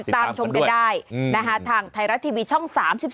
ชมกันได้ทางไทยรัฐทีวีช่อง๓๒